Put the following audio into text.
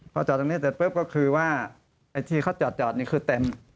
พอจอดตรงนี้แต่ก็คือว่าที่เขาจอดนี่คือเต็ม